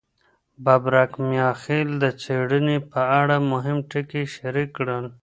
ببرک میاخیل د څېړني په اړه مهم ټکي شریک کړل.